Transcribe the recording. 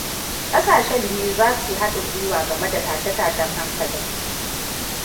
Ƙasashen biyu za su haɗin gwiwa game da tashe tashen hankalin.